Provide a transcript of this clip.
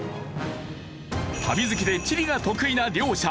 旅好きで地理が得意な両者。